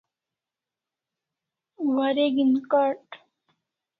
Wareg'in Card